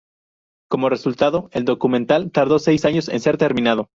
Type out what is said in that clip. Como resultado, el documental tardó seis años en ser terminado.